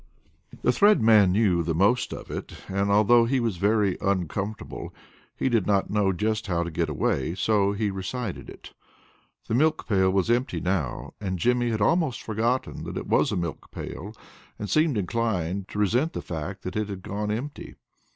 The Thread Man knew the most of it, and although he was very uncomfortable, he did not know just how to get away, so he recited it. The milk pail was empty now, and Jimmy had almost forgotten that it was a milk pail, and seemed inclined to resent the fact that it had gone empty.